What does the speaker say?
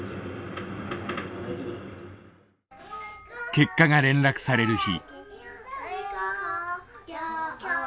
結果が連絡される日。